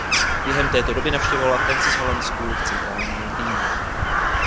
Během této doby navštěvovala Francis Holland School v centrálním Londýně.